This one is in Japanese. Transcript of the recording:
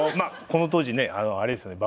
この当時ねあれですよね